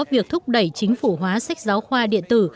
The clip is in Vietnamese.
việc thúc đẩy chính phủ hóa sách giáo khoa điện tử